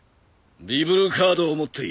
ビブルカードを持っている。